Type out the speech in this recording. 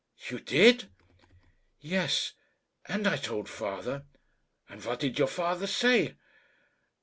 "You did?" "Yes; and I told father." "And what did your father say?"